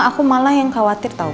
aku malah yang khawatir tau